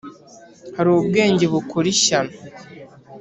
Hari ubwenge bukora ishyano,